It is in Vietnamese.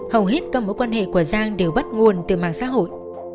hầu hết các mối quan hệ của giang đều bắt nguồn từ mạng xã hội